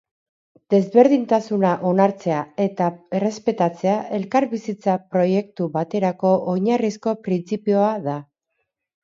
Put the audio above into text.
Desberdintasuna onartzea eta errespetatzea elkarbizitza proiektu baterako oinarrizko printzipioa da.